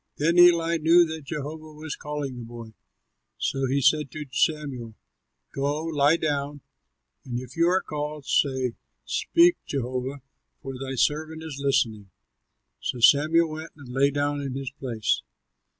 Then Eli knew that Jehovah was calling the boy. So he said to Samuel, "Go, lie down, and if you are called, say, 'Speak, Jehovah, for thy servant is listening.'" So Samuel went and lay down in his place.